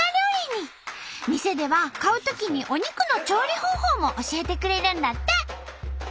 店では買うときにお肉の調理方法も教えてくれるんだって！